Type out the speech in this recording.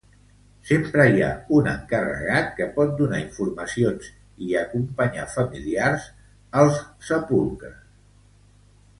Sempre hi ha un encarregat que pot donar informacions i acompanyar familiars als sepulcres.